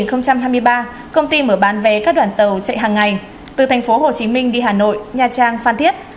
năm hai nghìn hai mươi ba công ty mở bán vé các đoàn tàu chạy hàng ngày từ thành phố hồ chí minh đi hà nội nha trang phan thiết